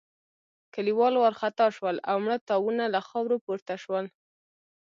کليوال وارخطا شول او مړه تاوونه له خاورو پورته شول.